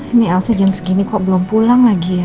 ini elsa jam segini kok belum pulang lagi ya